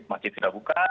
masjid sudah buka